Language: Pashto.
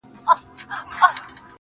o ما له یوې هم یوه ښه خاطره و نه لیده.